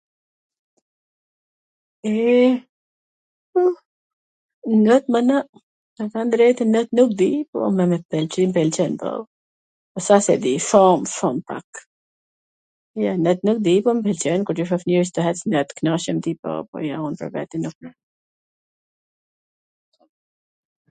eee, not mana, me than drejtwn not nuk di. po qw m pwlqen po, s asht se di, shum pak, jo, not nuk di, po m pwlqen ... tw ec tw knaqem, di, po un pwr vete nuk di